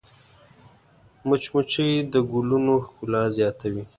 مچمچۍ د ګلونو ښکلا زیاتوي